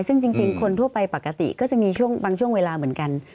ซึ่งจริงคนทั่วไปปกติก็จะมีช่วงบางช่วงเวลาเหมือนกัน